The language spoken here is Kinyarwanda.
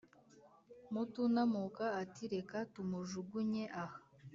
mutunamuka ati « reka tumujugunye aha,